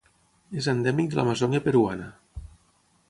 És endèmic de l'Amazònia peruana.